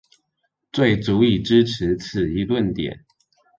最足以支持此一論點？